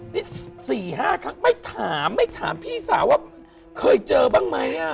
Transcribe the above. นี่๔๕ครั้งไม่ถามไม่ถามพี่สาวว่าเคยเจอบ้างไหม